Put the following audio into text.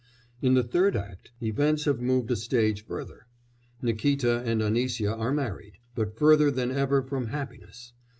In the third act events have moved a stage further. Nikíta and Anisya are married, but further than ever from happiness!